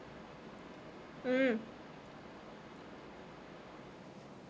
うん！